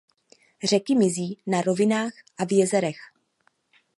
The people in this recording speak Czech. Řeky mizí na rovinách a v jezerech.